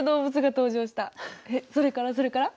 それからそれから？